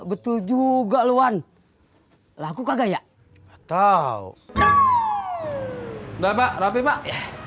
betul juga luwan laku kagak tahu enggak pak rapi pak